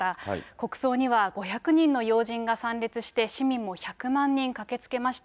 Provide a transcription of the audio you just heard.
国葬には５００人の要人が参列して、市民も１００万人駆けつけました。